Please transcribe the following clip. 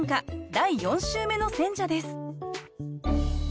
第４週目の選者です